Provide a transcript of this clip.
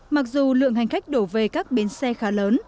mặc dù lượng hành khách đổ về các bến xe khá lớn